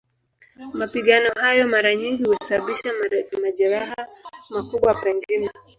Mapigano hayo mara nyingi husababisha majeraha, makubwa pengine.